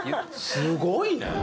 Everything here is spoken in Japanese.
すごいね！